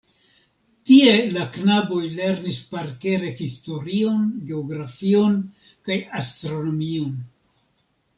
Tie la knaboj lernis parkere historion, geografion kaj astronomion.